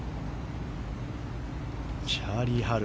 チャーリー・ハル。